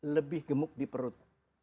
lebih gemuk di perut